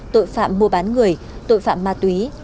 tội phạm mua bán người tội phạm ma túy